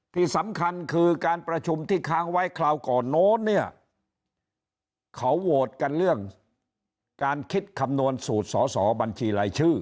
ที่สำคัญคือการประชุมที่ค้างไว้คราวก่อนโน้นเนี่ยเขาโหวตกันเรื่องการคิดคำนวณสูตรสอสอบัญชีรายชื่อ